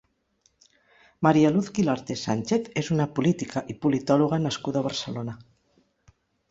María Luz Guilarte Sánchez és una política i politòloga nascuda a Barcelona.